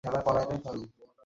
বলেছিলাম এটা নতুন।